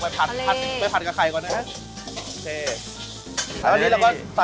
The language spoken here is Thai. มันสะดวกด้วยเนอะ